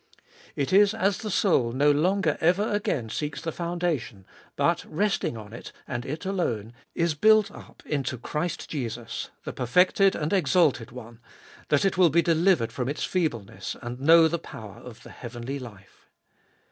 It is as the soul no longer ever again seeks the foundation, but resting on it and it alone, is built up into Christ Jesus, the perfected and exalted One, that it will be delivered from its feebleness, and know the power of the heavenly life.